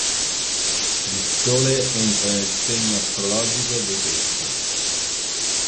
Il Sole entra nel segno astrologico dei Pesci.